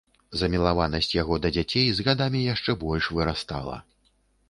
Замілаванасць яго да дзяцей з гадамі яшчэ больш вырастала.